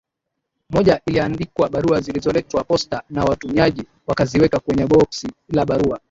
Moja iliandikwa barua zilizoletwa posta na watumiaji wakaziweka kwenye boksi la barua